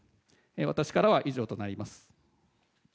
私からは以上となります。